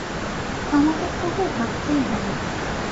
আমাকে একটা উপায় ভাবতেই হবে।